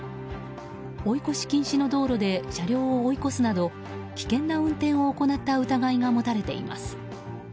追い越し禁止の道路で車両を追い越すなど危険な運転を行った疑いが持たれています。